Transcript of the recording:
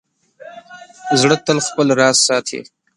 زړه تل خپل راز ساتي.